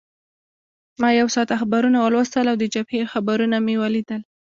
ما یو ساعت اخبارونه ولوستل او د جبهې خبرونه مې ولیدل.